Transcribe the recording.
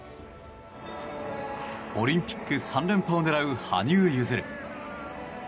オリンピック３連覇を狙う羽生結弦。